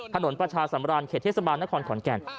ถนนประชาสำราญเขตเทศบาลนครขอนแก่น